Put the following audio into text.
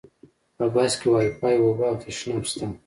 په بس کې وایفای، اوبه او تشناب شته.